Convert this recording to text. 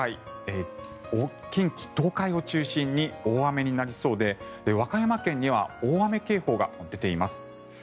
近畿・東海を中心に大雨になりそうで和歌山県には大雨警報が出ています。